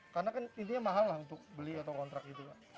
karena kan intinya mahal lah untuk beli atau kontrak gitu pak